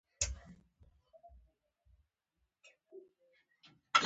دغه کتاب پارسي ته اړولې و.